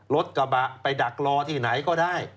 รถกระบะไปดักรอที่ไหนก็ได้